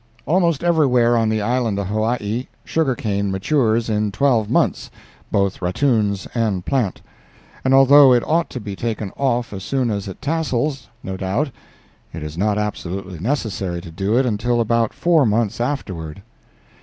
"] Almost everywhere on the island of Hawaii sugar cane matures in twelve months, both rattoons and plant, and although it ought to be taken off as soon as it tassels, no doubt, it is not absolutely necessary to do it until about four months afterward.